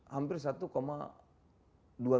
hampir satu dua miliar